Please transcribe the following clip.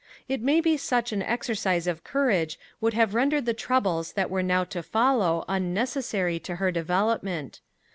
It may be such an exercise of courage would have rendered the troubles that were now to follow unnecessary to her development.